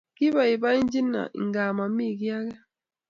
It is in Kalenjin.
Kibaibaichini ingaa mami kiiy age